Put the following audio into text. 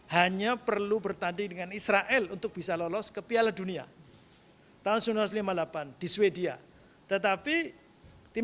hanya perlu bertanding dengan israel untuk bisa lolos ke piala dunia tahun seribu sembilan ratus lima puluh delapan di sweden tetapi tim